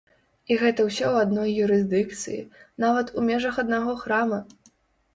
І гэта ўсё ў адной юрысдыкцыі, нават у межах аднаго храма!